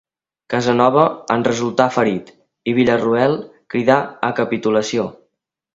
Casanova en resultà ferit i Villarroel cridà a capitulació.